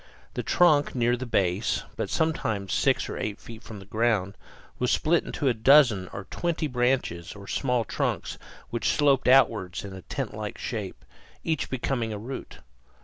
The trunk, near the base, but sometimes six or eight feet from the ground, was split into a dozen or twenty branches or small trunks which sloped outward in tent like shape, each becoming a root.